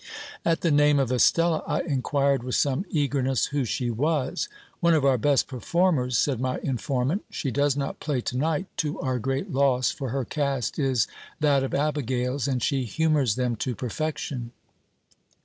At the name of Estella, I inquired with some eagerness who she was. One of our best performers, said my informant She does not play to night, to our great loss, for her cast is that of abigails, and she humours them to perfection.